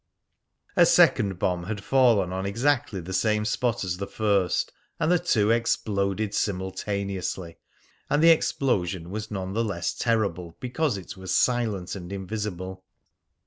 A second bomb had fallen on exactly the same spot as the first, and the two exploded simultaneously. And the explosion was none the less terrible because it was silent and invisible.